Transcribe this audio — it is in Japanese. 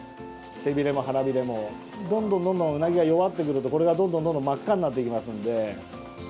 背びれも腹びれもどんどんウナギが弱ってくるとこれがどんどん真っ赤になってきますので。